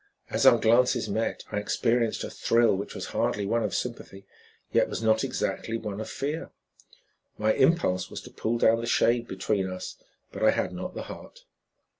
As our glances met I experienced a thrill which was hardly one of sympathy, yet was not exactly one of fear. My impulse was to pull down the shade between us, but I had not the heart.